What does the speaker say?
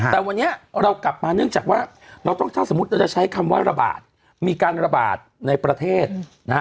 แต่วันนี้เรากลับมาเนื่องจากว่าเราต้องถ้าสมมุติเราจะใช้คำว่าระบาดมีการระบาดในประเทศนะฮะ